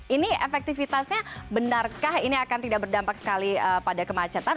ini efektivitasnya benarkah ini akan tidak berdampak sekali pada kemacetan